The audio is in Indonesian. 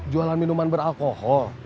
jualan minuman beralkohol